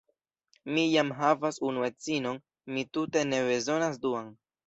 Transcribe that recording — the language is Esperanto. Mi jam havas unu edzinon, mi tute ne bezonas duan.